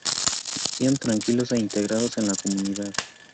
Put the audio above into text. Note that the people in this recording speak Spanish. Vivían tranquilos e integrados en la comunidad.